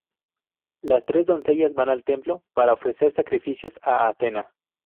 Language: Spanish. Las tres doncellas van al templo para ofrecer sacrificios a Atenea.